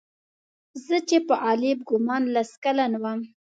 زه چې په غالب ګومان لس کلن وم.